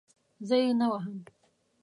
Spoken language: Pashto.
زه یې نه وهم.